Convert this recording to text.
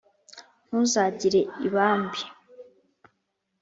ntuzagire ibambe: